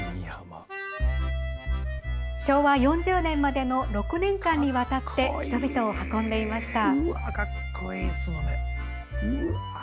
昭和４０年までの６年間にわたって人々を運んでいました。